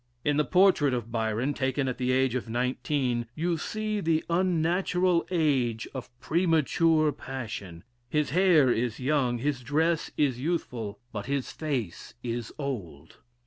In the portrait of Byron, taken at the age of nineteen, you see the unnatural age of premature passion; his hair is young, his dress is youthful, but his face is old.